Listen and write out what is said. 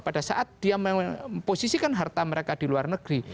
pada saat dia memposisikan harta mereka di luar negeri